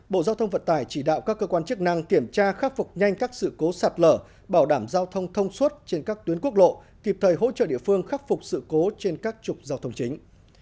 bộ giao thông vận tải chỉ đạo các cơ quan chức năng kiểm tra khắc phục nhanh các sự cố sạt lở bảo đảm giao thông thông suốt trên các tuyến quốc lộ kịp thời hỗ trợ địa phương khắc phục sự cố trên các trục giao thông chính